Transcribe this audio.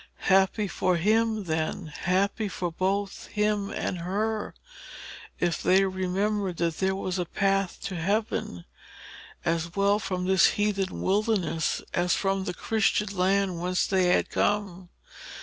Happy for him then,—happy both for him and her,—if they remembered that there was a path to heaven, as well from this heathen wilderness as from the Christian land whence they had come.